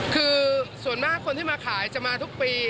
คือส่วนมากคนที่มาขายจะมาทุกปี